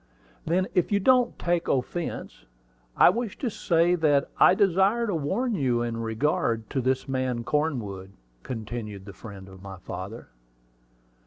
"Then if you won't take offence, I wish to say that I desire to warn you in regard to this man Cornwood," continued the friend of my father.